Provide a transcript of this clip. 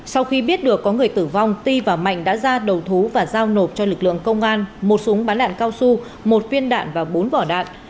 sau khi biết được có người tử vong ti và mạnh đã ra đầu thú và giao nộp cho lực lượng công an một súng bắn đạn cao su một viên đạn và bốn vỏ đạn